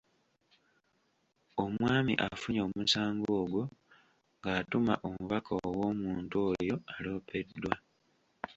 Omwami afunye omusango ogwo ng’atuma omubaka ew’omuntu oyo aloopeddwa.